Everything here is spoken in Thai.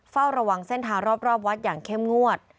เฝ้าระวังเส้นทางรอบวัดอย่างเข้มงวด